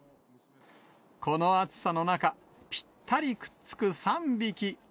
この暑さの中、ぴったりくっつく３匹。